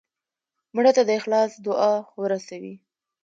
مړه ته د اخلاص دعا ورسوې